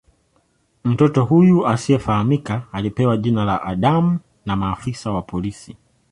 Mtoto huyu asiyefahamika alipewa jina la "Adam" na maafisa wa polisi.